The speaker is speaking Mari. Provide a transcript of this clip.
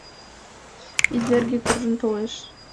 Изерге куржын толеш.